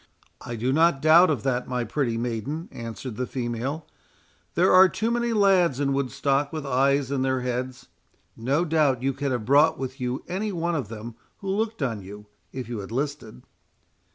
"I do not doubt of that, my pretty maiden," answered the female; "there are too many lads in Woodstock with eyes in their heads—No doubt you could have brought with you any one of them who looked on you, if you had listed."